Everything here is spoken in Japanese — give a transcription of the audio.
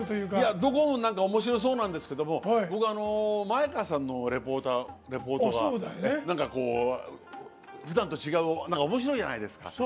どこも面白そうなんですが前川さんのレポートがなんか、ふだんと違うおもしろいじゃないですか。